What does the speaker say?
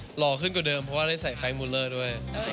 หล่อขึ้นกว่าเดิมเพราะว่าได้ใส่ไข่มูลเลอร์ด้วย